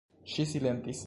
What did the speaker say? Ŝi silentis.